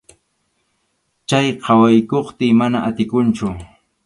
Chay qhawaykuptiy mana atikunchu.